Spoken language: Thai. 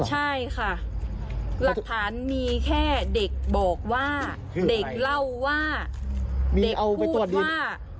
ใช่ค่ะหลักฐานมีแค่เด็กบอกว่าเด็กเล่าว่าเด็กเอาพูดว่า